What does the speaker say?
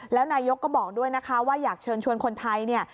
แล้วนายกก็บอกด้วยนะคะว่าอยากเชิญชวนคนไทยเนี่ย